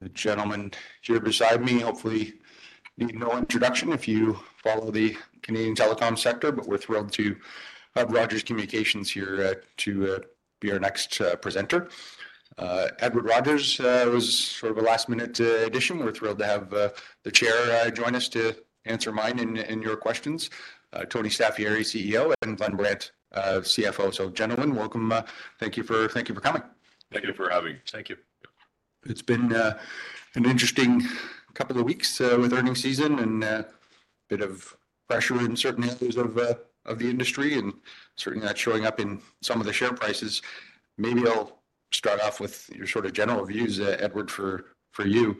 The gentleman here beside me hopefully needs no introduction if you follow the Canadian telecom sector, but we're thrilled to have Rogers Communications here to be our next presenter. Edward Rogers was sort of a last-minute addition. We're thrilled to have the chair join us to answer mine and your questions. Tony Staffieri, CEO, and Glenn Brandt, CFO. So, gentlemen, welcome. Thank you for coming. Thank you for having us. Thank you. It's been, an interesting couple of weeks, with earning season and a bit of pressure in certain areas of, of the industry, and certainly not showing up in some of the share prices. Maybe I'll start off with your sort of general views, Edward, for, for you.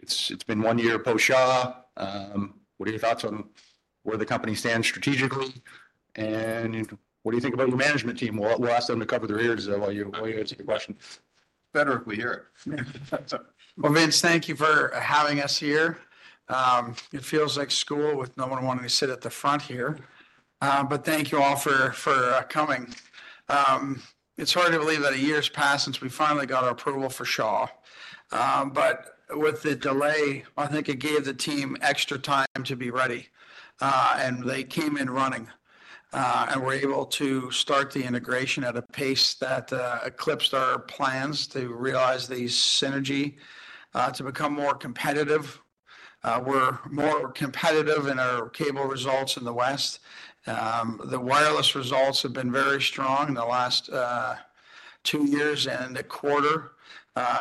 It's, it's been one year post-Shaw. What are your thoughts on where the company stands strategically, and what do you think about your management team? We'll, we'll ask them to cover their ears while you, while you answer the question. Better if we hear it. Well, Vince, thank you for having us here. It feels like school with no one wanting to sit at the front here. But thank you all for coming. It's hard to believe that a year's passed since we finally got our approval for Shaw. But with the delay, I think it gave the team extra time to be ready. And they came in running, and were able to start the integration at a pace that eclipsed our plans to realize the synergy, to become more competitive. We're more competitive in our cable results in the West. The wireless results have been very strong in the last 2 years and a quarter,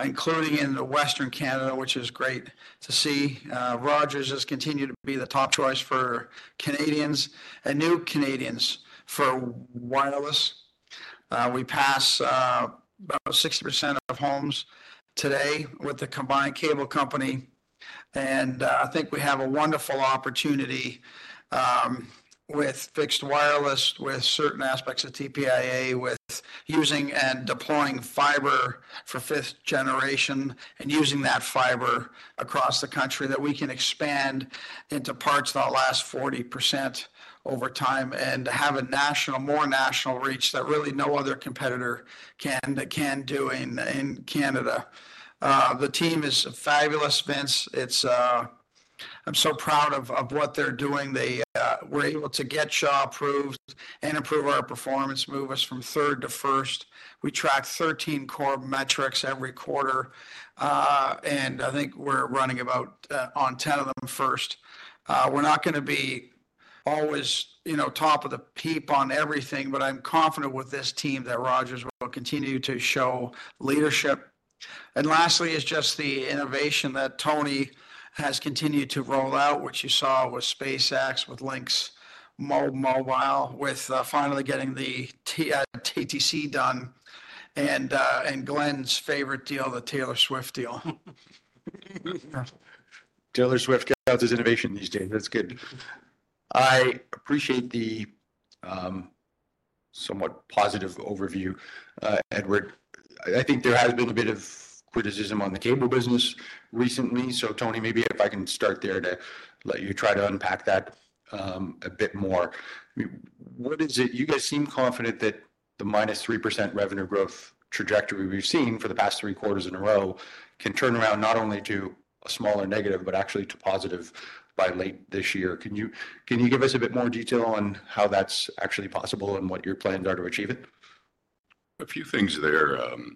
including in Western Canada, which is great to see. Rogers has continued to be the top choice for Canadians and new Canadians for wireless. We pass about 60% of homes today with the combined cable company, and I think we have a wonderful opportunity with fixed wireless, with certain aspects of TPIA, with using and deploying fiber for fifth generation, and using that fiber across the country, that we can expand into the last 40% over time and have a national - more national reach that really no other competitor can, can do in, in Canada. The team is fabulous, Vince. It's... I'm so proud of, of what they're doing. They were able to get Shaw approved and improve our performance, move us from third to first. We track 13 core metrics every quarter, and I think we're running about on 10 of them first. We're not going to be always, you know, top of the heap on everything, but I'm confident with this team that Rogers will continue to show leadership. And lastly, is just the innovation that Tony has continued to roll out, which you saw with SpaceX, with Lynk Mobile, with finally getting the TTC done, and and Glenn's favorite deal, the Taylor Swift deal. Taylor Swift counts as innovation these days. That's good. I appreciate the somewhat positive overview, Edward. I think there has been a bit of criticism on the cable business recently. So, Tony, maybe if I can start there, to let you try to unpack that a bit more. I mean, what is it—you guys seem confident that the -3% revenue growth trajectory we've seen for the past three quarters in a row can turn around not only to a smaller negative, but actually to positive by late this year. Can you give us a bit more detail on how that's actually possible and what your plans are to achieve it? A few things there. You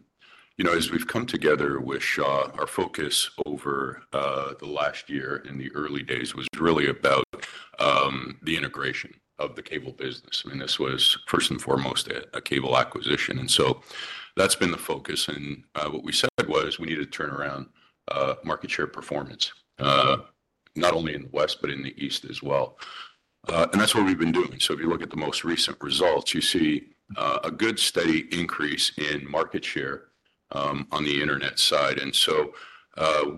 know, as we've come together with Shaw, our focus over the last year, in the early days, was really about the integration of the cable business. I mean, this was first and foremost a cable acquisition, and so that's been the focus. And what we said was we need to turn around market share performance, not only in the West, but in the East as well. And that's what we've been doing. So if you look at the most recent results, you see a good, steady increase in market share on the internet side. And so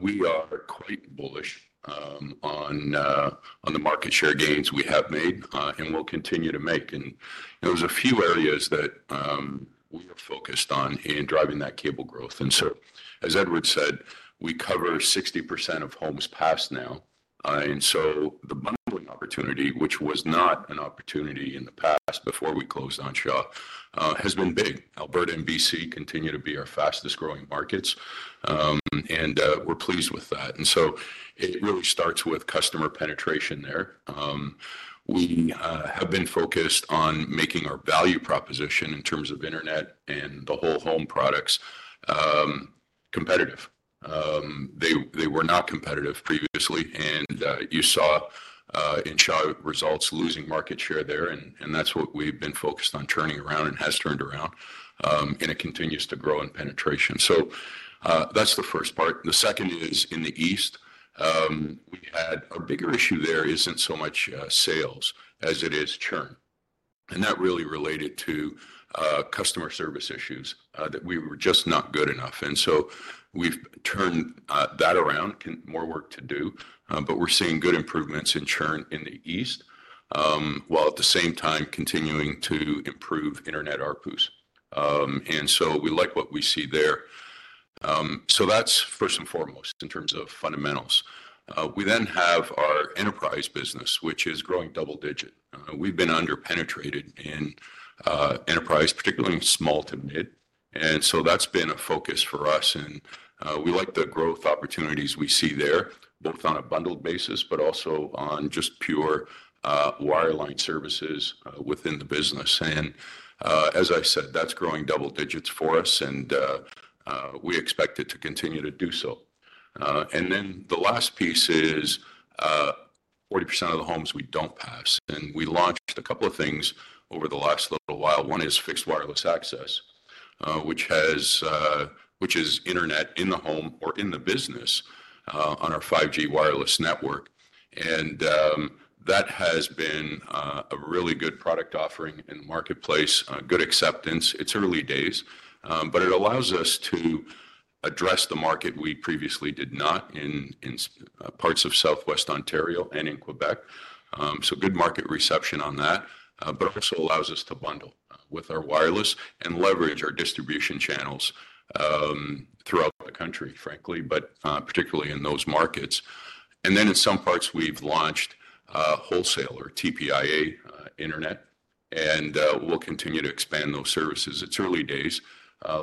we are quite bullish on the market share gains we have made and will continue to make. And there was a few areas that we were focused on in driving that cable growth. And so, as Edward said, we cover 60% of homes passed now. And so the bundling opportunity, which was not an opportunity in the past before we closed on Shaw, has been big. Alberta and BC continue to be our fastest-growing markets, and we're pleased with that. And so it really starts with customer penetration there. We have been focused on making our value proposition in terms of internet and the whole home products, competitive. They were not competitive previously, and you saw in Shaw results, losing market share there, and that's what we've been focused on turning around and has turned around, and it continues to grow in penetration. So, that's the first part. The second is in the East. We had a bigger issue there, isn't so much sales as it is churn, and that really related to customer service issues that we were just not good enough. And so we've turned that around. More work to do, but we're seeing good improvements in churn in the East, while at the same time continuing to improve internet ARPU. And so we like what we see there. So that's first and foremost in terms of fundamentals. We then have our enterprise business, which is growing double digit. We've been under-penetrated in enterprise, particularly in small to mid-... And so that's been a focus for us, and we like the growth opportunities we see there, both on a bundled basis, but also on just pure wireline services within the business. As I said, that's growing double digits for us, and we expect it to continue to do so. And then the last piece is 40% of the homes we don't pass, and we launched a couple of things over the last little while. One is fixed wireless access, which is internet in the home or in the business on our 5G wireless network. And that has been a really good product offering in the marketplace, good acceptance. It's early days, but it allows us to address the market we previously did not in parts of Southwest Ontario and in Quebec. So good market reception on that. But it also allows us to bundle with our wireless and leverage our distribution channels throughout the country, frankly, but particularly in those markets. And then in some parts we've launched wholesale TPIA internet, and we'll continue to expand those services. It's early days.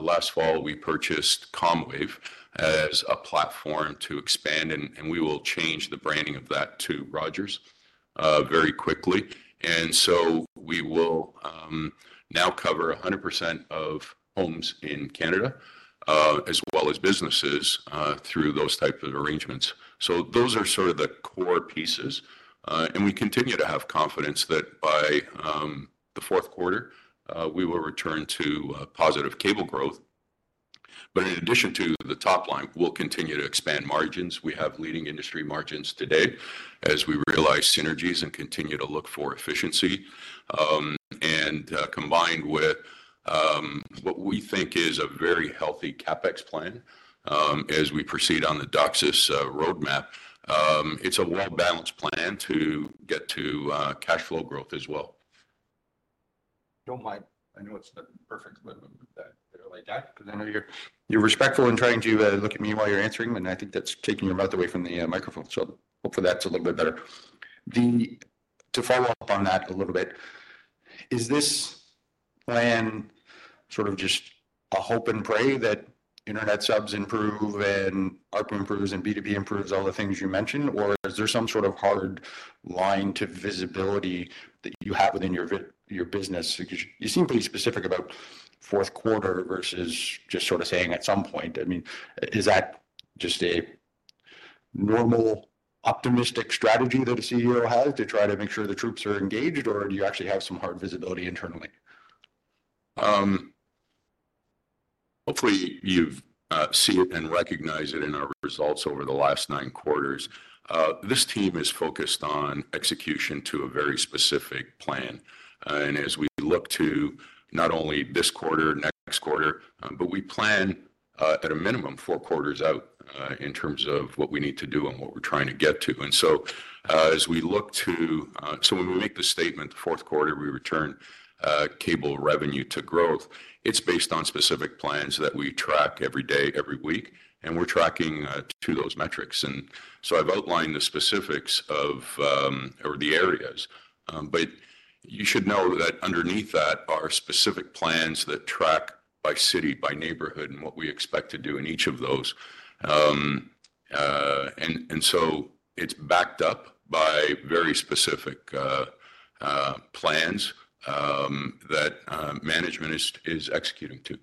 Last fall, we purchased Comwave as a platform to expand, and we will change the branding of that to Rogers very quickly. And so we will now cover 100% of homes in Canada as well as businesses through those types of arrangements. So those are sort of the core pieces. And we continue to have confidence that by the fourth quarter we will return to positive cable growth. But in addition to the top line, we'll continue to expand margins. We have leading industry margins today as we realize synergies and continue to look for efficiency. And combined with what we think is a very healthy CapEx plan, as we proceed on the DOCSIS roadmap, it's a well-balanced plan to get to cash flow growth as well. Don't mind. I know it's not perfect, but, like that, 'cause I know you're, you're respectful in trying to look at me while you're answering, and I think that's taking your mouth away from the microphone. So hopefully that's a little bit better. Then to follow up on that a little bit, is this plan sort of just a hope and pray that internet subs improve and ARPU improves and B2B improves, all the things you mentioned, or is there some sort of hard line to visibility that you have within your your business? Because you seem pretty specific about fourth quarter versus just sort of saying at some point. I mean, is that just a normal, optimistic strategy that a CEO has to try to make sure the troops are engaged, or do you actually have some hard visibility internally? Hopefully you've see it and recognize it in our results over the last nine quarters. This team is focused on execution to a very specific plan, and as we look to not only this quarter, next quarter, but we plan, at a minimum, four quarters out, in terms of what we need to do and what we're trying to get to. And so, as we look to so when we make the statement, the fourth quarter, we return, cable revenue to growth, it's based on specific plans that we track every day, every week, and we're tracking, to those metrics. And so I've outlined the specifics of, or the areas, but you should know that underneath that are specific plans that track by city, by neighborhood, and what we expect to do in each of those. So it's backed up by very specific plans that management is executing to.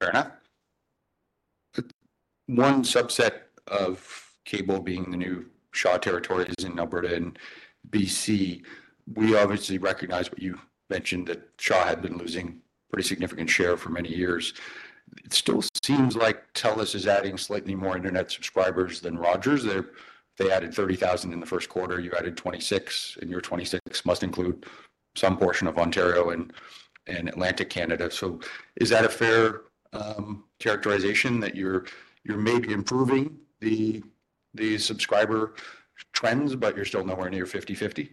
Fair enough. One subset of cable being the new Shaw territory is in Alberta and BC. We obviously recognize what you've mentioned, that Shaw had been losing pretty significant share for many years. It still seems like Telus is adding slightly more internet subscribers than Rogers. They're they added 30,000 in the first quarter. You added 26, and your 26 must include some portion of Ontario and Atlantic Canada. So is that a fair characterization that you're maybe improving the subscriber trends, but you're still nowhere near 50/50?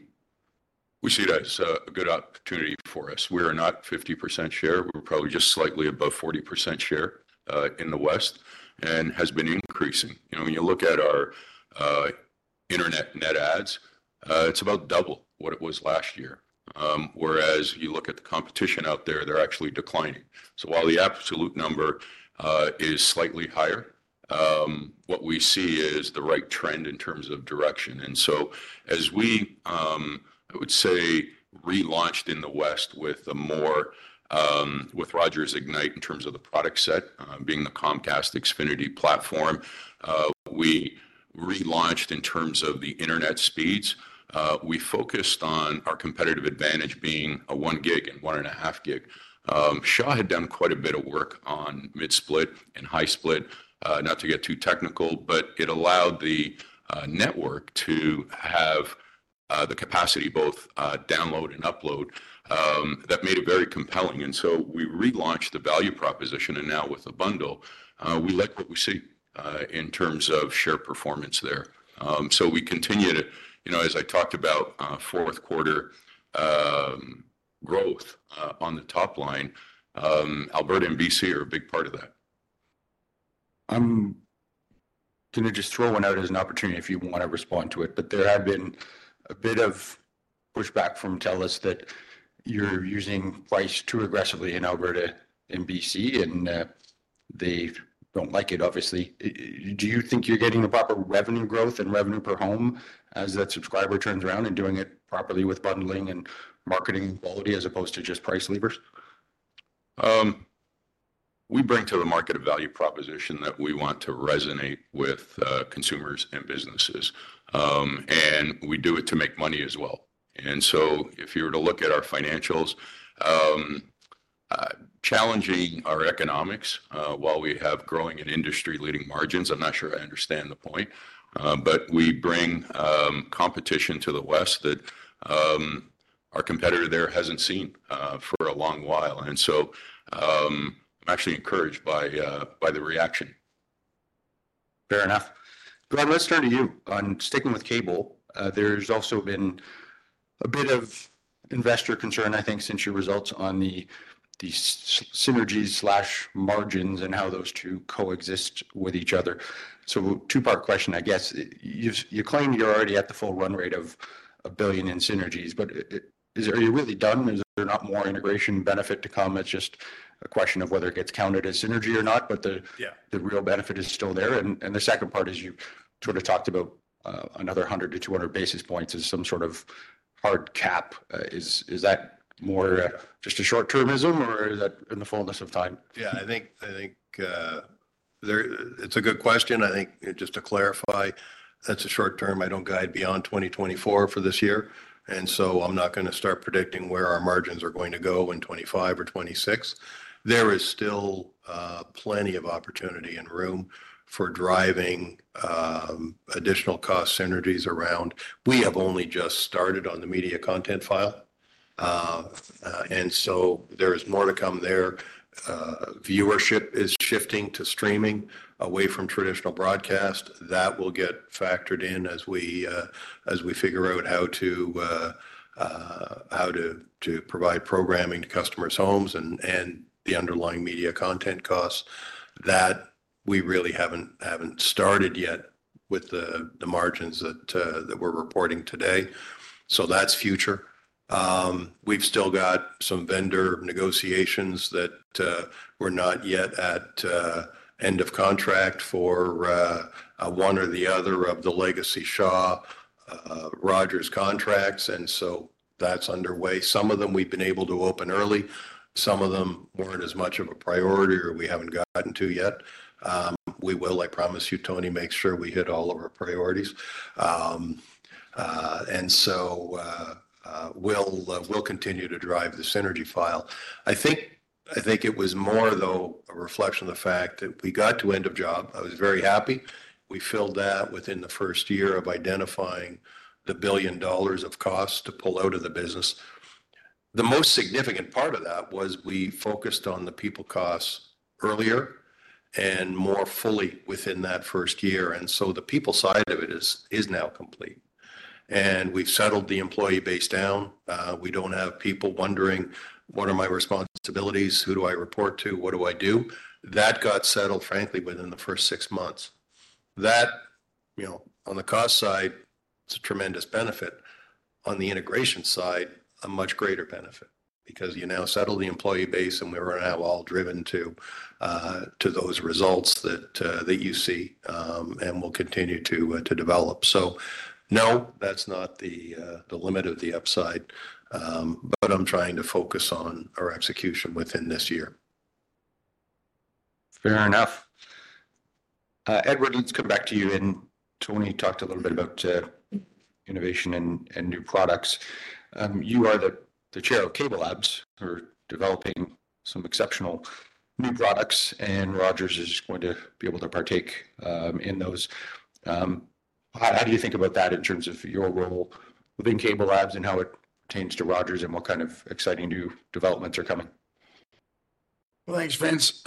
We see that as a good opportunity for us. We are not 50% share. We're probably just slightly above 40% share in the West, and has been increasing. You know, when you look at our internet net adds, it's about double what it was last year. Whereas if you look at the competition out there, they're actually declining. So while the absolute number is slightly higher, what we see is the right trend in terms of direction. And so as we, I would say, relaunched in the West with a more with Rogers Ignite in terms of the product set, being the Comcast Xfinity platform, we relaunched in terms of the internet speeds. We focused on our competitive advantage being a 1 gig and 1.5 gig. Shaw had done quite a bit of work on mid-split and high split. Not to get too technical, but it allowed the network to have the capacity, both download and upload. That made it very compelling, and so we relaunched the value proposition, and now with the bundle, we like what we see in terms of share performance there. So we continue to, you know, as I talked about, fourth quarter growth on the top line, Alberta and BC are a big part of that.... I'm gonna just throw one out as an opportunity if you want to respond to it, but there have been a bit of pushback from Telus that you're using price too aggressively in Alberta and BC, and, they don't like it, obviously. Do you think you're getting the proper revenue growth and revenue per home as that subscriber turns around, and doing it properly with bundling and marketing quality as opposed to just price levers? We bring to the market a value proposition that we want to resonate with consumers and businesses. We do it to make money as well. So if you were to look at our financials, challenging our economics while we have growing and industry-leading margins, I'm not sure I understand the point. But we bring competition to the West that our competitor there hasn't seen for a long while, and so I'm actually encouraged by the reaction. Fair enough. Brad, let's turn to you. On sticking with cable, there's also been a bit of investor concern, I think, since your results on the, the synergies slash margins and how those two coexist with each other. So two-part question, I guess. You, you claim you're already at the full run rate of 1 billion in synergies, but are you really done? Is there not more integration benefit to come? It's just a question of whether it gets counted as synergy or not, but the- Yeah The real benefit is still there. And the second part is you sort of talked about another 100-200 basis points as some sort of hard cap. Is that more just a short-termism or is that in the fullness of time? Yeah, I think it's a good question. I think just to clarify, that's a short term. I don't guide beyond 2024 for this year, and so I'm not going to start predicting where our margins are going to go in 2025 or 2026. There is still plenty of opportunity and room for driving additional cost synergies around. We have only just started on the media content file, and so there is more to come there. Viewership is shifting to streaming away from traditional broadcast. That will get factored in as we figure out how to provide programming to customers' homes and the underlying media content costs. That we really haven't started yet with the margins that we're reporting today. So that's future. We've still got some vendor negotiations that we're not yet at end of contract for one or the other of the legacy Shaw Rogers contracts, and so that's underway. Some of them we've been able to open early. Some of them weren't as much of a priority or we haven't gotten to yet. We will, I promise you, Tony, make sure we hit all of our priorities. And so we'll continue to drive the synergy file. I think it was more, though, a reflection of the fact that we got to end of job. I was very happy. We filled that within the first year of identifying 1 billion dollars of costs to pull out of the business. The most significant part of that was we focused on the people costs earlier and more fully within that first year, and so the people side of it is now complete. And we've settled the employee base down. We don't have people wondering, "What are my responsibilities? Who do I report to? What do I do?" That got settled, frankly, within the first six months. That, you know, on the cost side, it's a tremendous benefit. On the integration side, a much greater benefit, because you now settle the employee base, and we're now all driven to those results that you see, and will continue to develop. So no, that's not the limit of the upside, but I'm trying to focus on our execution within this year. Fair enough. Edward, let's come back to you. Tony talked a little bit about innovation and new products. You are the chair of CableLabs. You're developing some exceptional new products, and Rogers is going to be able to partake in those. How do you think about that in terms of your role within CableLabs and how it pertains to Rogers and what kind of exciting new developments are coming? Well, thanks, Vince.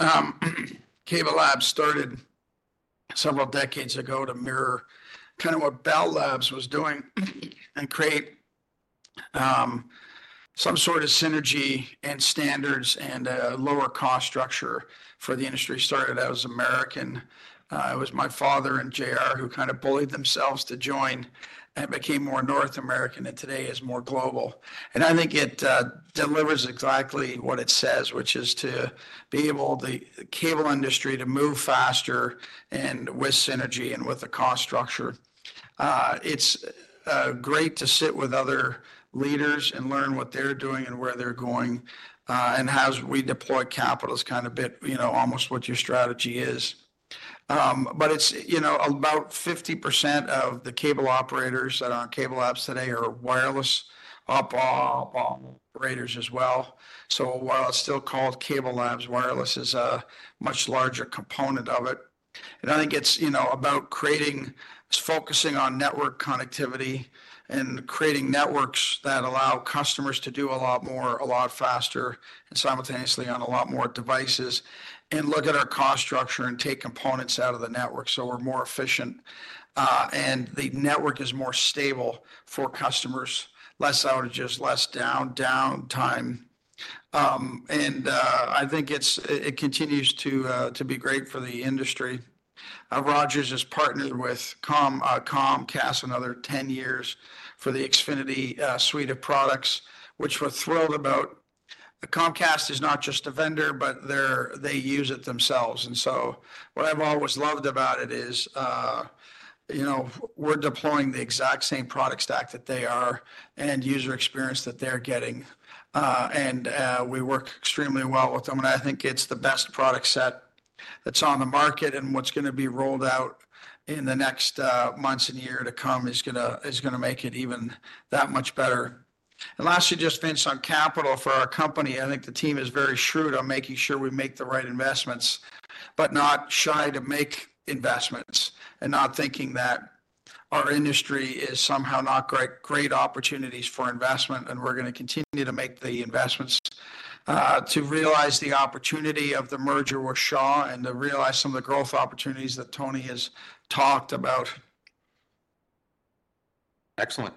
CableLabs started several decades ago to mirror kind of what Bell Labs was doing and create some sort of synergy and standards and a lower cost structure for the industry. It started out as American. It was my father and J.R. who kind of bullied themselves to join and became more North American, and today is more global. And I think it delivers exactly what it says, which is to be able the cable industry to move faster and with synergy and with the cost structure. It's great to sit with other leaders and learn what they're doing and where they're going and how we deploy capital. It's kind of bit, you know, almost what your strategy is. But it's, you know, about 50% of the cable operators that are on CableLabs today are wireless operators as well. So while it's still called CableLabs, wireless is a much larger component of it. And I think it's, you know, about creating, it's focusing on network connectivity and creating networks that allow customers to do a lot more, a lot faster and simultaneously on a lot more devices, and look at our cost structure and take components out of the network so we're more efficient, and the network is more stable for customers, less outages, less downtime. And I think it continues to be great for the industry. Rogers has partnered with Comcast another 10 years for the Xfinity suite of products, which we're thrilled about. Comcast is not just a vendor, but they're, they use it themselves, and so what I've always loved about it is, you know, we're deploying the exact same product stack that they are and user experience that they're getting. And, we work extremely well with them, and I think it's the best product set that's on the market. And what's gonna be rolled out in the next, months and year to come is gonna, is gonna make it even that much better. And lastly, just Vince, on capital for our company, I think the team is very shrewd on making sure we make the right investments, but not shy to make investments and not thinking that our industry is somehow not great, great opportunities for investment. We're gonna continue to make the investments to realize the opportunity of the merger with Shaw and to realize some of the growth opportunities that Tony has talked about. Excellent.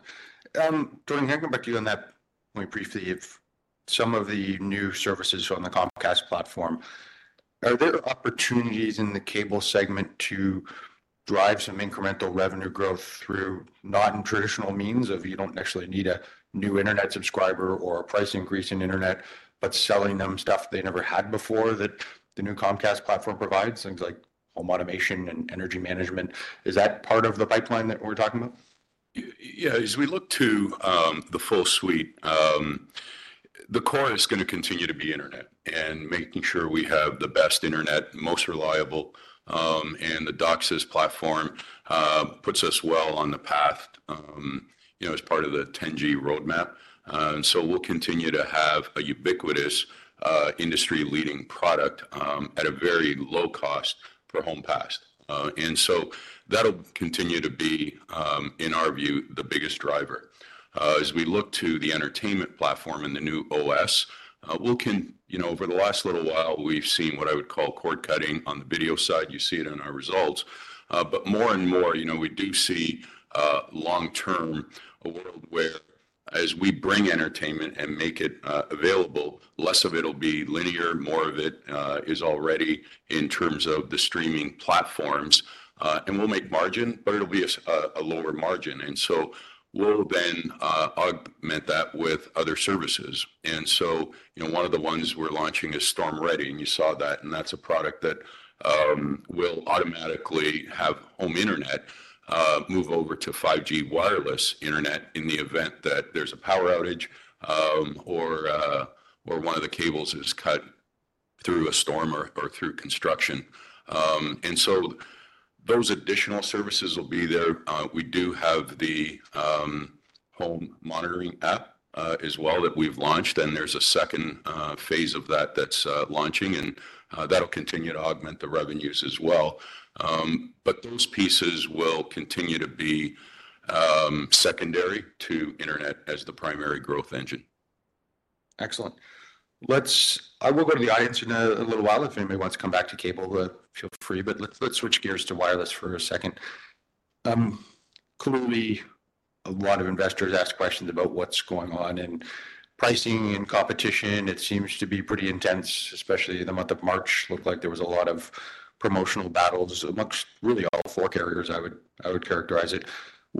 Tony, I'm going to come back to you on that only briefly. If some of the new services on the Comcast platform are there opportunities in the cable segment to drive some incremental revenue growth through non-traditional means of you don't actually need a new internet subscriber or a price increase in internet, but selling them stuff they never had before, that the new Comcast platform provides, things like home automation and energy management? Is that part of the pipeline that we're talking about? Yeah, as we look to the full suite, the core is gonna continue to be internet and making sure we have the best internet, most reliable, and the DOCSIS platform puts us well on the path, you know, as part of the 10G roadmap. And so we'll continue to have a ubiquitous, industry-leading product at a very low cost per home passed. And so that'll continue to be, in our view, the biggest driver. As we look to the entertainment platform and the new OS, we can. You know, over the last little while, we've seen what I would call cord cutting on the video side. You see it in our results. But more and more, you know, we do see long-term a world where as we bring entertainment and make it available, less of it'll be linear, more of it is already in terms of the streaming platforms. And we'll make margin, but it'll be a lower margin, and so we'll then augment that with other services. And so, you know, one of the ones we're launching is Storm-Ready, and you saw that. And that's a product that will automatically have home internet move over to 5G wireless internet in the event that there's a power outage, or one of the cables is cut through a storm or through construction. And so those additional services will be there. We do have the home monitoring app as well, that we've launched, and there's a second phase of that that's launching, and that'll continue to augment the revenues as well. But those pieces will continue to be secondary to internet as the primary growth engine. Excellent. I will go to the internet in a little while. If anybody wants to come back to cable, feel free, but let's switch gears to wireless for a second. Clearly, a lot of investors ask questions about what's going on in pricing and competition. It seems to be pretty intense, especially in the month of March. Looked like there was a lot of promotional battles among really all four carriers, I would characterize it.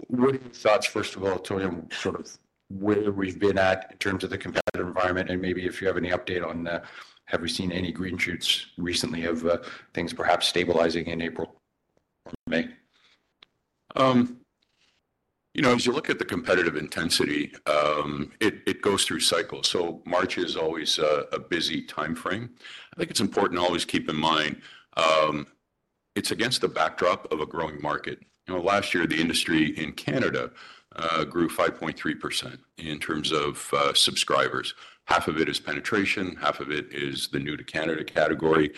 What are your thoughts, first of all, Tony, on sort of where we've been at in terms of the competitive environment? And maybe if you have any update on have we seen any green shoots recently of things perhaps stabilizing in April or May? You know, as you look at the competitive intensity, it goes through cycles, so March is always a busy timeframe. I think it's important to always keep in mind, it's against the backdrop of a growing market. You know, last year, the industry in Canada grew 5.3% in terms of subscribers. Half of it is penetration, half of it is the new to Canada category.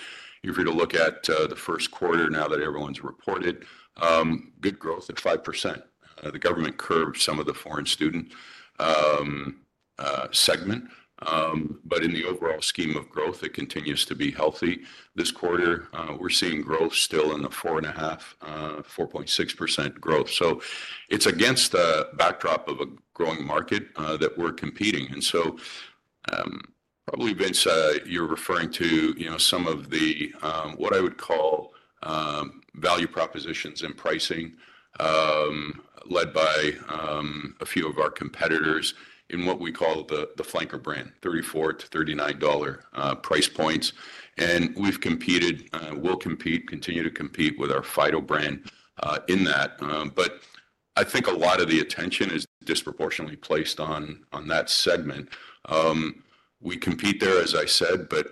If you're to look at the first quarter now that everyone's reported, good growth at 5%. The government curbed some of the foreign student segment, but in the overall scheme of growth, it continues to be healthy. This quarter, we're seeing growth still in the 4.6% growth. So it's against the backdrop of a growing market that we're competing in. And so, probably, Vince, you're referring to, you know, some of the what I would call value propositions in pricing led by a few of our competitors in what we call the flanker brand, 34-39 dollar price points. And we've competed, we'll compete, continue to compete with our Fido brand in that. But I think a lot of the attention is disproportionately placed on that segment. We compete there, as I said, but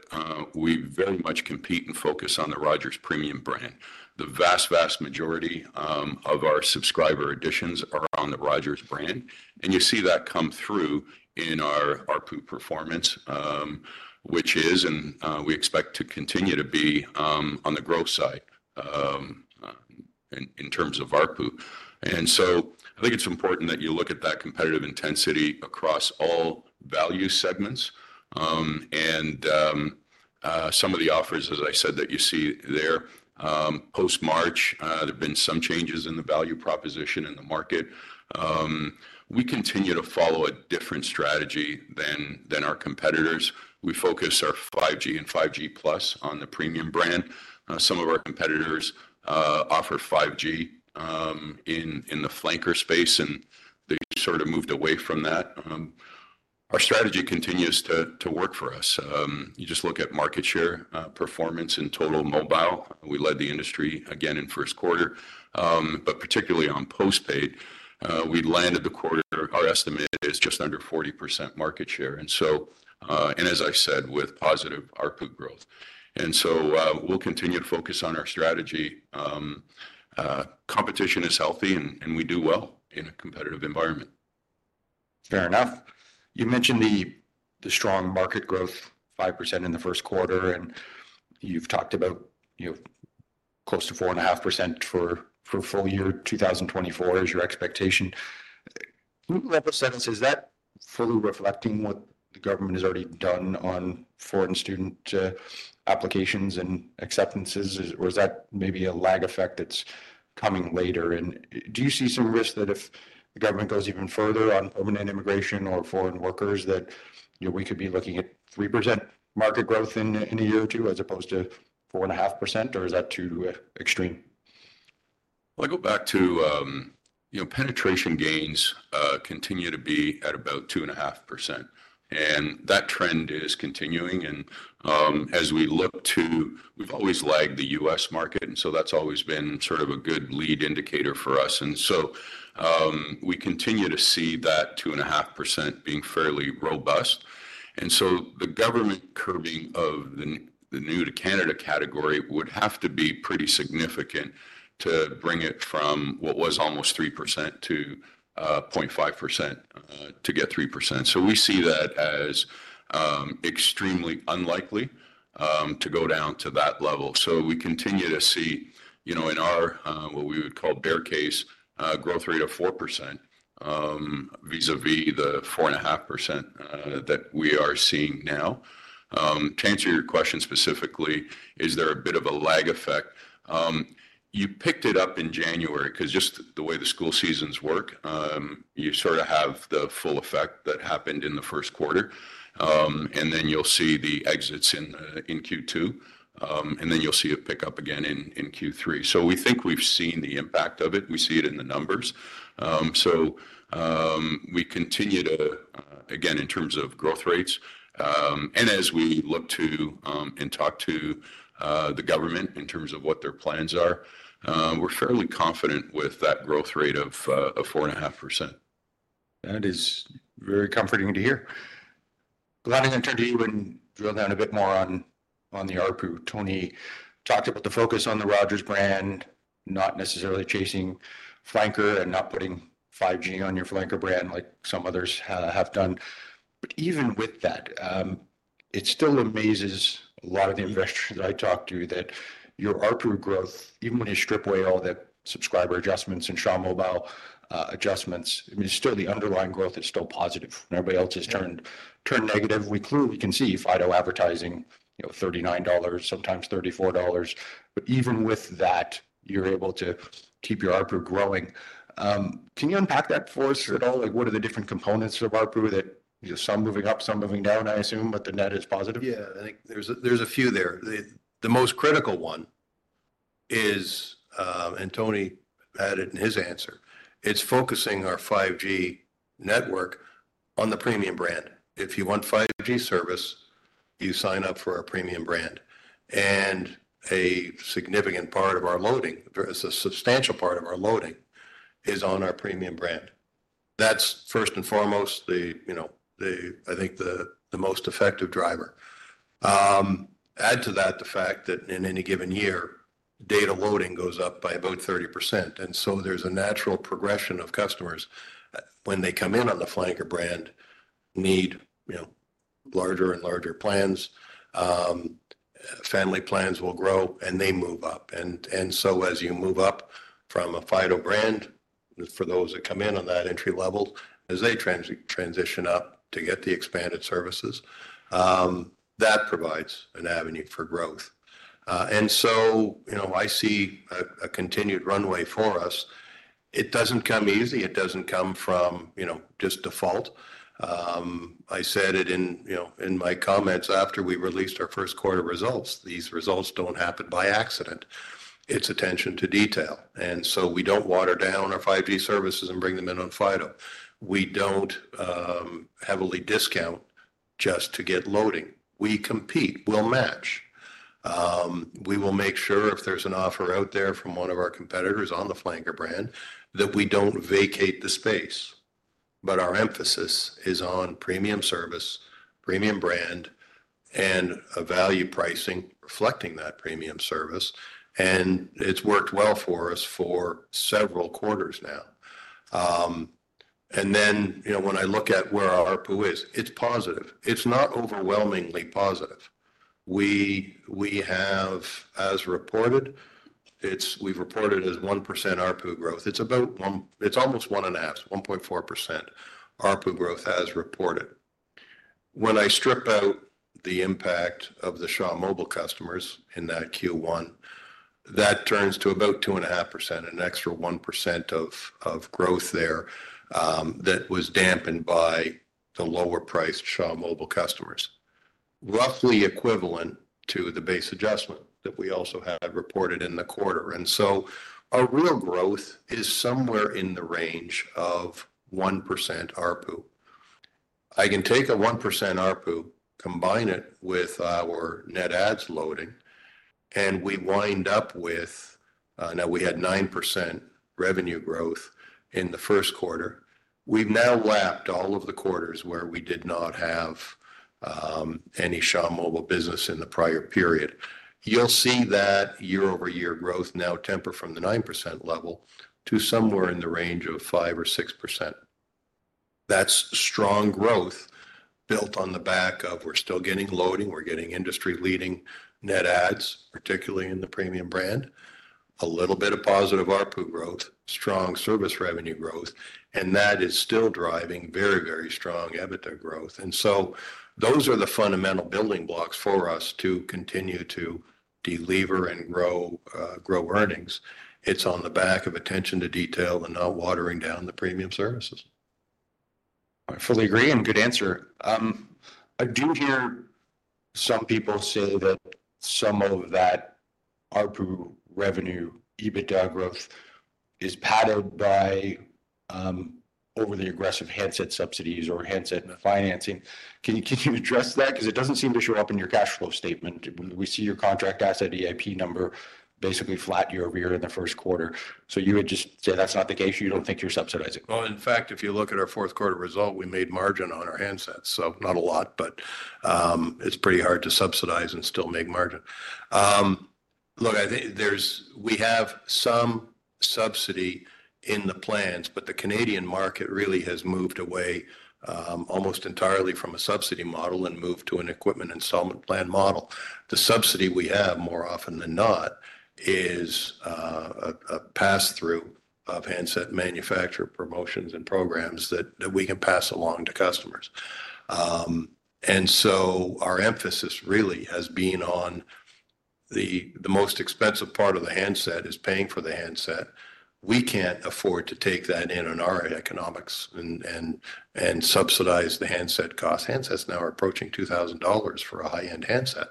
we very much compete and focus on the Rogers premium brand. The vast, vast majority of our subscriber additions are on the Rogers brand, and you see that come through in our ARPU performance, which is, and we expect to continue to be on the growth side in terms of ARPU. So I think it's important that you look at that competitive intensity across all value segments. And some of the offers, as I said, that you see there. Post-March, there have been some changes in the value proposition in the market. We continue to follow a different strategy than our competitors. We focus our 5G and 5G Plus on the premium brand. Some of our competitors offer 5G in the flanker space, and they sort of moved away from that. Our strategy continues to work for us. You just look at market share, performance in total mobile, we led the industry again in first quarter. But particularly on postpaid, we landed the quarter. Our estimate is just under 40% market share, and so, and as I said, with positive ARPU growth. And so, we'll continue to focus on our strategy. Competition is healthy, and, and we do well in a competitive environment. Fair enough. You mentioned the strong market growth, 5% in the first quarter, and you've talked about, you know, close to 4.5% for full year 2024 is your expectation. Is that fully reflecting what the government has already done on foreign student applications and acceptances, or is that maybe a lag effect that's coming later? And do you see some risk that if the government goes even further on permanent immigration or foreign workers, that, you know, we could be looking at 3% market growth in a year or two, as opposed to 4.5%, or is that too extreme? Well, I go back to, you know, penetration gains continue to be at about 2.5%, and that trend is continuing. And, as we look to-- We've always lagged the U.S. market, and so that's always been sort of a good lead indicator for us, and so, we continue to see that 2.5% being fairly robust. And so the government curbing of the new to Canada category would have to be pretty significant to bring it from what was almost 3% to, point five percent, to get 3%. So we see that as, extremely unlikely, to go down to that level. So we continue to see, you know, in our what we would call bear case growth rate of 4%, vis-à-vis the 4.5% that we are seeing now. To answer your question specifically, is there a bit of a lag effect? You picked it up in January, 'cause just the way the school seasons work, you sort of have the full effect that happened in the first quarter. And then you'll see the exits in Q2, and then you'll see it pick up again in Q3. So we think we've seen the impact of it, and we see it in the numbers. So we continue to... Again, in terms of growth rates, and as we look to, and talk to, the government in terms of what their plans are, we're fairly confident with that growth rate of 4.5%. That is very comforting to hear. Glenn, I'm going to turn to you and drill down a bit more on the ARPU. Tony talked about the focus on the Rogers brand, not necessarily chasing flanker and not putting 5G on your flanker brand like some others have done. But even with that, it still amazes a lot of the investors that I talk to, that your ARPU growth, even when you strip away all the subscriber adjustments and Shaw Mobile adjustments, I mean, still the underlying growth is still positive. And everybody else has turned- Yeah Turned negative. We clearly can see Fido advertising, you know, 39 dollars, sometimes 34 dollars. But even with that, you're able to keep your ARPU growing. Can you unpack that for us at all? Sure. Like, what are the different components of ARPU that, you know, some moving up, some moving down, I assume, but the net is positive? Yeah, I think there's a few there. The most critical one is, and Tony had it in his answer, it's focusing our 5G network on the premium brand. If you want 5G service, you sign up for our premium brand. And a significant part of our loading, a substantial part of our loading is on our premium brand. That's first and foremost, you know, I think the most effective driver. Add to that the fact that in any given year, data loading goes up by about 30%. And so there's a natural progression of customers, when they come in on the flanker brand, need, you know, larger and larger plans. Family plans will grow, and they move up. So as you move up from a Fido brand, for those that come in on that entry level, as they transition up to get the expanded services, that provides an avenue for growth. And so, you know, I see a continued runway for us. It doesn't come easy. It doesn't come from, you know, just default. I said it in, you know, in my comments after we released our first quarter results. These results don't happen by accident. It's attention to detail, and so we don't water down our 5G services and bring them in on Fido. We don't heavily discount just to get loading. We compete, we'll match. We will make sure if there's an offer out there from one of our competitors on the flanker brand, that we don't vacate the space. But our emphasis is on premium service, premium brand, and a value pricing reflecting that premium service, and it's worked well for us for several quarters now. And then, you know, when I look at where our ARPU is, it's positive. It's not overwhelmingly positive. We have, as reported. It's, we've reported as 1% ARPU growth. It's about one, it's almost one and a half, 1.4% ARPU growth as reported. When I strip out the impact of the Shaw Mobile customers in that Q1, that turns to about 2.5%, an extra 1% of growth there, that was dampened by the lower priced Shaw Mobile customers. Roughly equivalent to the base adjustment that we also had reported in the quarter. And so our real growth is somewhere in the range of 1% ARPU. I can take a 1% ARPU, combine it with our net adds loading, and we wind up with, now we had 9% revenue growth in the first quarter. We've now lapped all of the quarters where we did not have any Shaw Mobile business in the prior period. You'll see that year-over-year growth now temper from the 9% level to somewhere in the range of 5%-6%. That's strong growth built on the back of we're still getting loading, we're getting industry-leading net adds, particularly in the premium brand. A little bit of positive ARPU growth, strong service revenue growth, and that is still driving very, very strong EBITDA growth. And so those are the fundamental building blocks for us to continue to delever and grow, grow earnings. It's on the back of attention to detail and not watering down the premium services. I fully agree, and good answer. I do hear some people say that some of that ARPU revenue, EBITDA growth is padded by, over the aggressive handset subsidies or handset financing. Can you, can you address that? Because it doesn't seem to show up in your cash flow statement. We see your contract asset EIP number basically flat year-over-year in the first quarter. So you would just say that's not the case, you don't think you're subsidizing? Well, in fact, if you look at our fourth quarter result, we made margin on our handsets. So not a lot, but, it's pretty hard to subsidize and still make margin. Look, I think we have some subsidy in the plans, but the Canadian market really has moved away, almost entirely from a subsidy model and moved to an equipment installment plan model. The subsidy we have, more often than not, is a pass-through of handset manufacturer promotions and programs that we can pass along to customers. And so our emphasis really has been on the most expensive part of the handset is paying for the handset. We can't afford to take that in on our economics and subsidize the handset cost. Handsets now are approaching 2,000 dollars for a high-end handset,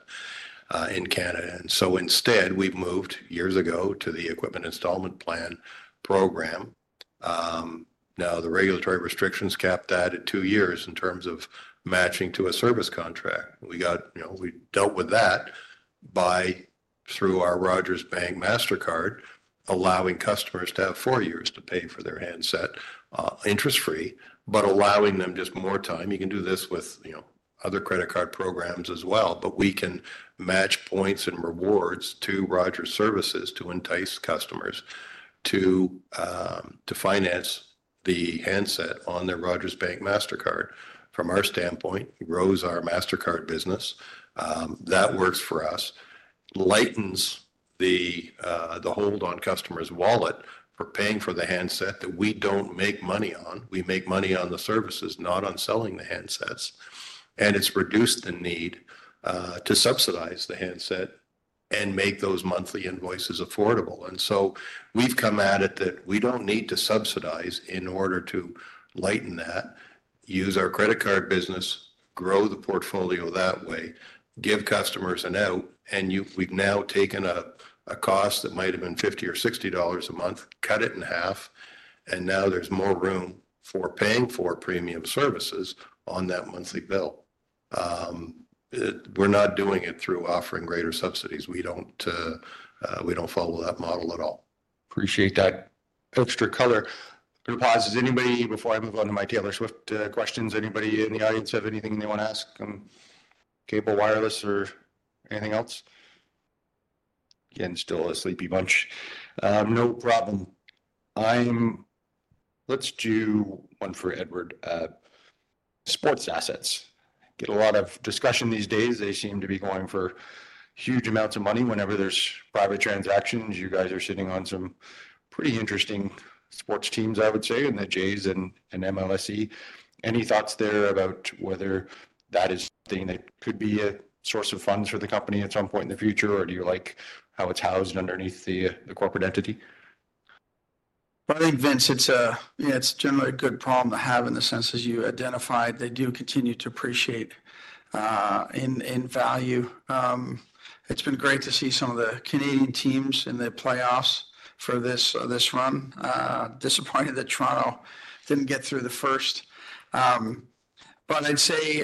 in Canada. And so instead, we've moved years ago to the Equipment Installment Plan program. Now, the regulatory restrictions capped that at two years in terms of matching to a service contract. We got, you know, we dealt with that by through our Rogers Bank Mastercard, allowing customers to have four years to pay for their handset, interest-free, but allowing them just more time. You can do this with, you know, other credit card programs as well, but we can match points and rewards to Rogers services to entice customers to, to finance the handset on their Rogers Bank Mastercard. From our standpoint, it grows our Mastercard business. That works for us. Lightens the, the hold on customer's wallet for paying for the handset that we don't make money on. We make money on the services, not on selling the handsets. It's reduced the need to subsidize the handset and make those monthly invoices affordable. So we've come at it that we don't need to subsidize in order to lighten that, use our credit card business, grow the portfolio that way, give customers an out, and we've now taken a cost that might have been 50 or 60 a month, cut it in half, and now there's more room for paying for premium services on that monthly bill. We're not doing it through offering greater subsidies. We don't follow that model at all. Appreciate that extra color. I'm going to pause. Does anybody, before I move on to my Taylor Swift questions, anybody in the audience have anything they want to ask on cable, wireless, or anything else? Again, still a sleepy bunch. No problem. Let's do one for Edward. Sports assets get a lot of discussion these days. They seem to be going for huge amounts of money whenever there's private transactions. You guys are sitting on some pretty interesting sports teams, I would say, in the Jays and MLSE. Any thoughts there about whether that is something that could be a source of funds for the company at some point in the future, or do you like how it's housed underneath the corporate entity? I think, Vince, it's generally a good problem to have in the sense, as you identified, they do continue to appreciate in value. It's been great to see some of the Canadian teams in the playoffs for this run. Disappointed that Toronto didn't get through the first. But I'd say,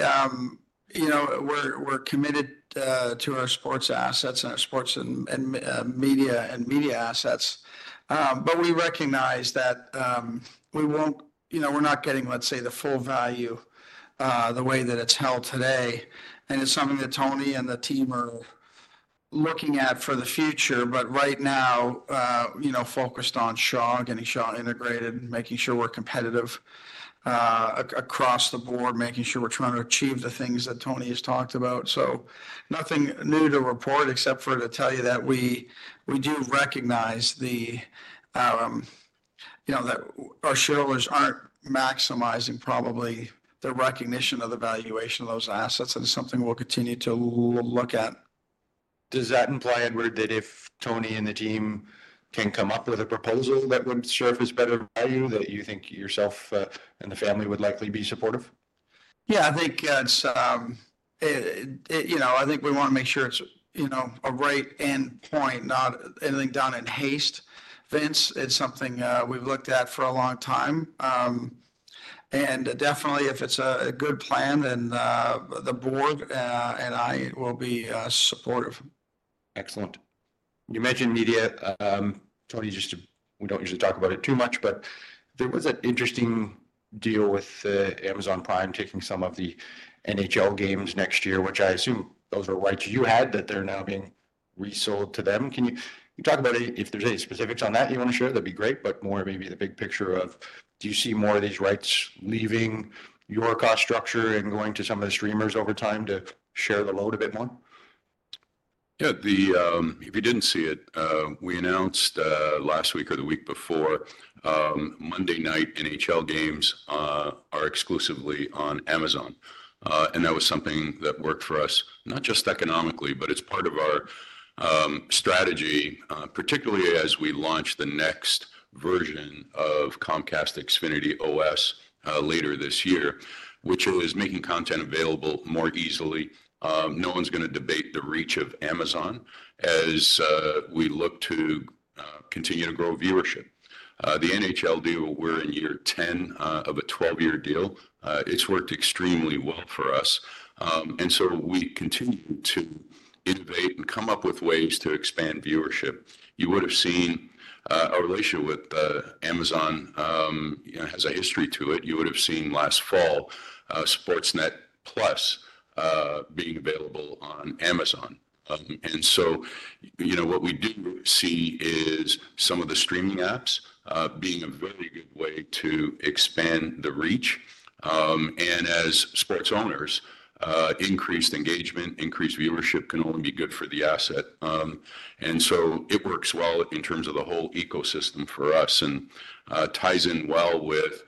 you know, we're committed to our sports assets and our sports and media assets. But we recognize that, we won't you know, we're not getting, let's say, the full value the way that it's held today. And it's something that Tony and the team are looking at for the future, but right now- You know, focused on Shaw, getting Shaw integrated, making sure we're competitive, across the board, making sure we're trying to achieve the things that Tony has talked about. So nothing new to report except for to tell you that we do recognize the you know that our shareholders aren't maximizing probably the recognition of the valuation of those assets, and it's something we'll continue to look at. Does that imply, Edward, that if Tony and the team can come up with a proposal that would surface better value, that you think yourself, and the family would likely be supportive? Yeah, I think it's, you know, I think we want to make sure it's, you know, a right end point, not anything done in haste, Vince. It's something we've looked at for a long time. And definitely, if it's a good plan, then the board and I will be supportive. Excellent. You mentioned media. Tony, just we don't usually talk about it too much, but there was an interesting deal with Amazon Prime taking some of the NHL games next year, which I assume those are rights you had, that they're now being resold to them. Can you talk about it? If there's any specifics on that you want to share, that'd be great, but more maybe the big picture of do you see more of these rights leaving your cost structure and going to some of the streamers over time to share the load a bit more? Yeah, if you didn't see it, we announced last week or the week before, Monday Night NHL games are exclusively on Amazon. And that was something that worked for us, not just economically, but it's part of our strategy, particularly as we launch the next version of Comcast Xfinity OS later this year, which is making content available more easily. No one's gonna debate the reach of Amazon as we look to continue to grow viewership. The NHL deal, we're in year 10 of a 12-year deal. It's worked extremely well for us. And so we continue to innovate and come up with ways to expand viewership. You would have seen our relationship with Amazon you know has a history to it. You would have seen last fall, Sportsnet+, being available on Amazon. And so, you know, what we do see is some of the streaming apps, being a very good way to expand the reach. And as sports owners, increased engagement, increased viewership can only be good for the asset. And so it works well in terms of the whole ecosystem for us and, ties in well with,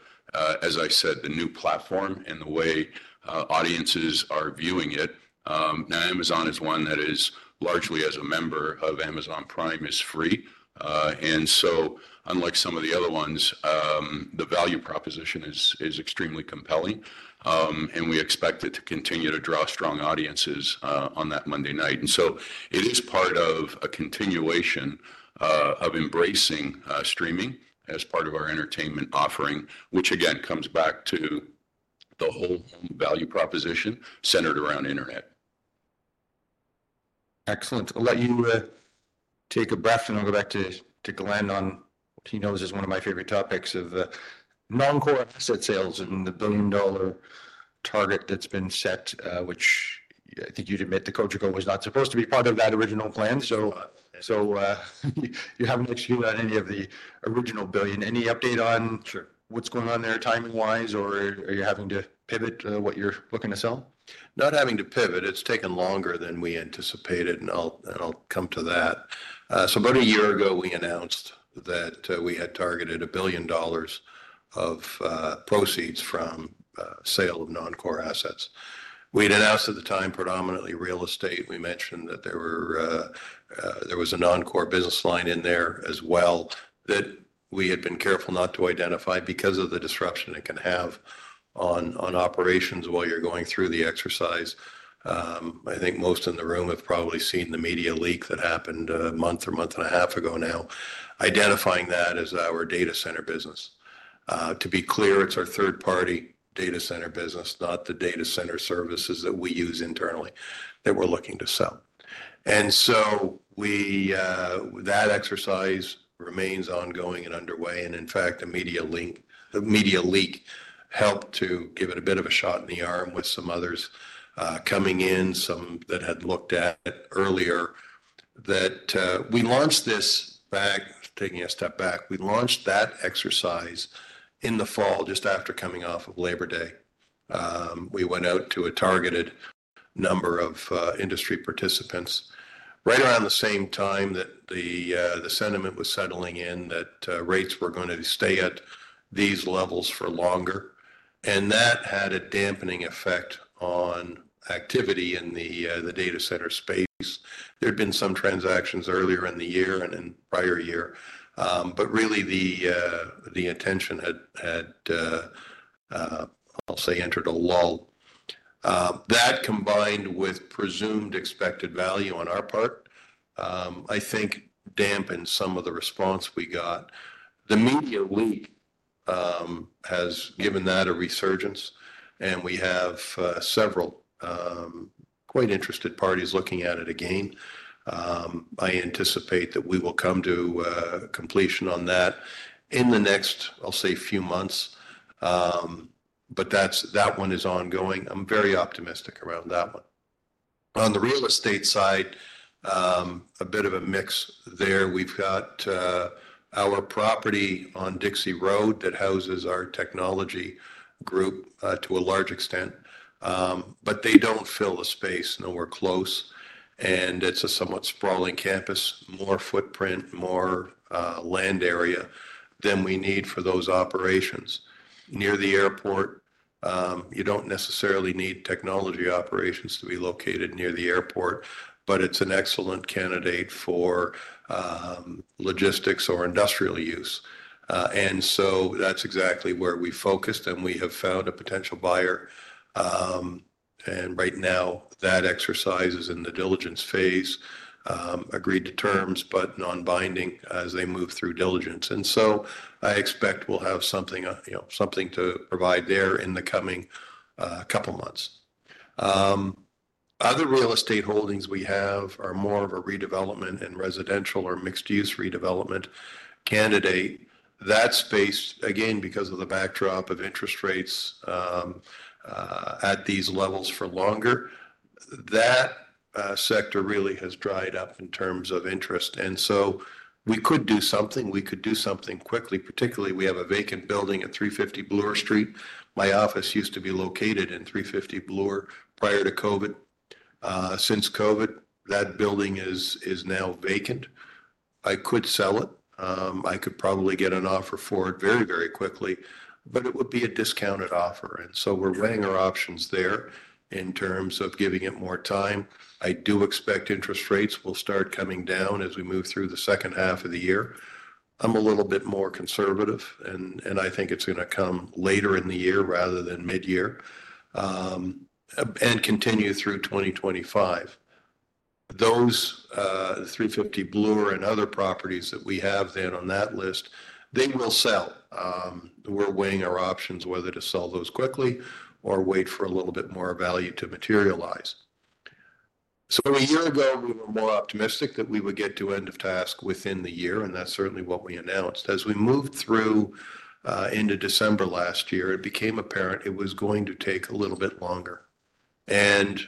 as I said, the new platform and the way, audiences are viewing it. Now, Amazon is one that is largely as a member of Amazon Prime, is free. And so unlike some of the other ones, the value proposition is, is extremely compelling. And we expect it to continue to draw strong audiences, on that Monday night. It is part of a continuation of embracing streaming as part of our entertainment offering, which again comes back to the whole value proposition centered around internet. Excellent. I'll let you take a breath, and I'll go back to Glenn on what he knows is one of my favorite topics of non-core asset sales and the billion-dollar target that's been set, which I think you'd admit the Cogeco was not supposed to be part of that original plan. So, you haven't touched on any of the original billion. Any update on- Sure What's going on there timing-wise, or are you having to pivot, what you're looking to sell? Not having to pivot. It's taken longer than we anticipated, and I'll, and I'll come to that. So about a year ago, we announced that we had targeted 1 billion dollars of proceeds from sale of non-core assets. We had announced at the time, predominantly real estate. We mentioned that there were, there was a non-core business line in there as well that we had been careful not to identify because of the disruption it can have on operations while you're going through the exercise. I think most in the room have probably seen the media leak that happened a month or month and a half ago now, identifying that as our data center business. To be clear, it's our third-party data center business, not the data center services that we use internally, that we're looking to sell. And so, that exercise remains ongoing and underway. And in fact, a media leak helped to give it a bit of a shot in the arm with some others coming in, some that had looked at it earlier, that we launched this back taking a step back. We launched that exercise in the fall, just after coming off of Labor Day. We went out to a targeted number of industry participants right around the same time that the sentiment was settling in, that rates were going to stay at these levels for longer. And that had a dampening effect on activity in the data center space. There had been some transactions earlier in the year and in prior year, but really the attention had, I'll say, entered a lull. That, combined with presumed expected value on our part, I think dampened some of the response we got. The media leak has given that a resurgence, and we have several quite interested parties looking at it again. I anticipate that we will come to completion on that in the next, I'll say, few months. But that's, that one is ongoing. I'm very optimistic around that one... On the real estate side, a bit of a mix there. We've got our property on Dixie Road that houses our technology group to a large extent. But they don't fill the space, nowhere close, and it's a somewhat sprawling campus, more footprint, more land area than we need for those operations. Near the airport, you don't necessarily need technology operations to be located near the airport, but it's an excellent candidate for logistics or industrial use. And so that's exactly where we focused, and we have found a potential buyer. And right now, that exercise is in the diligence phase. Agreed to terms, but non-binding as they move through diligence. And so I expect we'll have something, you know, something to provide there in the coming couple months. Other real estate holdings we have are more of a redevelopment and residential or mixed-use redevelopment candidate. That space, again, because of the backdrop of interest rates at these levels for longer, that sector really has dried up in terms of interest, and so we could do something. We could do something quickly. Particularly, we have a vacant building at 350 Bloor Street. My office used to be located in 350 Bloor prior to COVID. Since COVID, that building is, is now vacant. I could sell it. I could probably get an offer for it very, very quickly, but it would be a discounted offer, and so we're weighing our options there in terms of giving it more time. I do expect interest rates will start coming down as we move through the second half of the year. I'm a little bit more conservative, and, and I think it's gonna come later in the year rather than mid-year, and continue through 2025. Those, 350 Bloor and other properties that we have then on that list, they will sell. We're weighing our options whether to sell those quickly or wait for a little bit more value to materialize. So a year ago, we were more optimistic that we would get to end of task within the year, and that's certainly what we announced. As we moved through into December last year, it became apparent it was going to take a little bit longer, and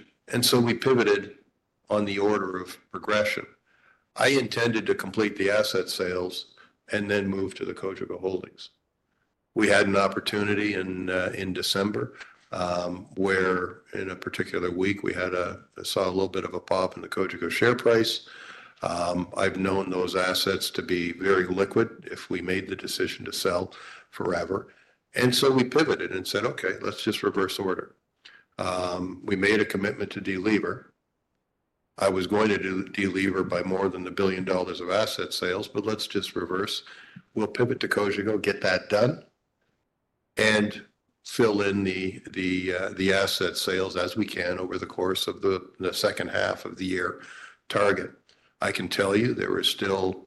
so we pivoted on the order of progression. I intended to complete the asset sales and then move to the Cogeco holdings. We had an opportunity in December, where in a particular week, we saw a little bit of a pop in the Cogeco share price. I've known those assets to be very liquid if we made the decision to sell forever, and so we pivoted and said, "Okay, let's just reverse order." We made a commitment to delever. I was going to do delever by more than 1 billion dollars of asset sales, but let's just reverse. We'll pivot to Cogeco, get that done, and fill in the asset sales as we can over the course of the second half of the year target. I can tell you there is still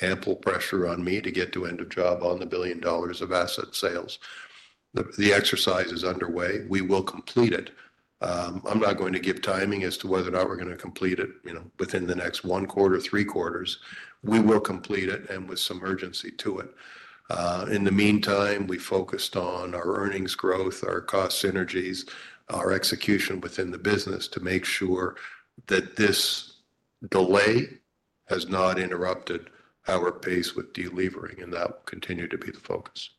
ample pressure on me to get to end of job on the 1 billion dollars of asset sales. The exercise is underway. We will complete it. I'm not going to give timing as to whether or not we're gonna complete it, you know, within the next one quarter, three quarters. We will complete it, and with some urgency to it. In the meantime, we focused on our earnings growth, our cost synergies, our execution within the business to make sure that this delay has not interrupted our pace with delevering, and that will continue to be the focus.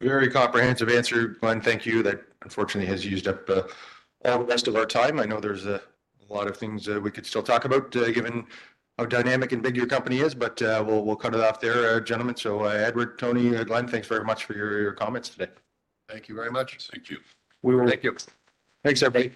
Very comprehensive answer, Glenn. Thank you. That unfortunately has used up all the rest of our time. I know there's a lot of things that we could still talk about, given how dynamic and big your company is, but we'll cut it off there, gentlemen. So, Edward, Tony, Glenn, thanks very much for your comments today. Thank you very much. Thank you. We will- Thank you. Thanks, everybody.